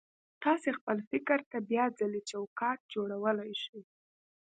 تاسې خپل فکر ته بيا ځلې چوکاټ جوړولای شئ.